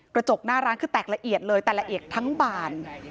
กระจกหน้าร้านคือแตกละเอียดเลยแต่ละเอียดทั้งบาน